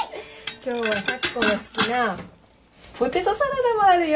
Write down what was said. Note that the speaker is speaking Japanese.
今日は幸子が好きなポテトサラダもあるよ。